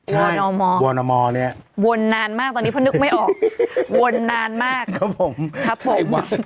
ใช่วอนอมอร์เนี่ยวนนานมากตอนนี้เพิ่งนึกไม่ออกวนนานมากครับผม